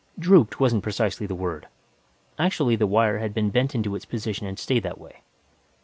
"Drooped" wasn't precisely the word; actually the wire had been bent into its position and stayed that way.